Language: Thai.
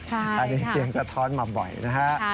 ใช่ค่ะอันนี้เสียงสะท้อนมาบ่อยนะครับ